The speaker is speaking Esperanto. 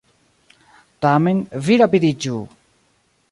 Tamen, vi rapidiĝu!